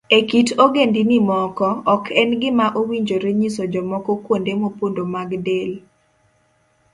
E kit ogendini moko, ok en gima owinjore nyiso jomoko kuonde mopondo mag del.